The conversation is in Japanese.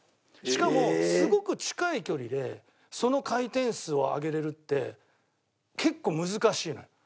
しかもすごく近い距離でその回転数を上げられるって結構難しいのよ。